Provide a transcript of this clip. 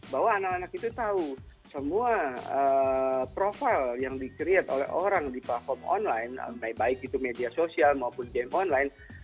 bahwa anak anak itu tahu semua profil yang di create oleh orang di platform online baik itu media sosial maupun game online